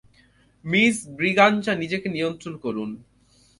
Miss Braganza নিজেকে নিয়ন্ত্রণ করুন।